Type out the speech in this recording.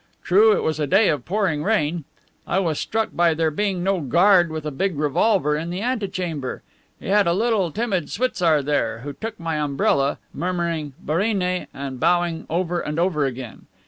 True, it was a day of pouring rain. I was struck by there being no guard with a big revolver in the antechamber. He had a little, timid schwitzar there, who took my umbrella, murmuring 'barine' and bowing over and over again.